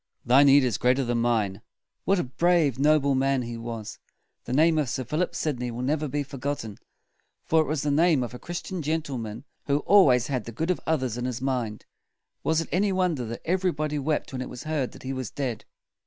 Thy need is greater than mine." What a brave, noble man he was! The name of Sir Philip Sidney will never be for got ten; for it was the name of a Chris tian gen tle man who always had the good of others in his mind. Was it any wonder that everybody wept when it was heard that he was dead?